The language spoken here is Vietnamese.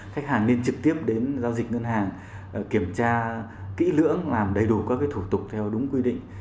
khách hàng nên trực tiếp đến giao dịch ngân hàng kiểm tra kỹ lưỡng làm đầy đủ các thủ tục theo đúng quy định